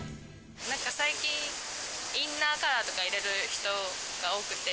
なんか最近インナーカラーとか入れる人が多くて。